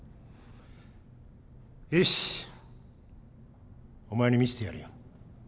よしお前に見してやるよ。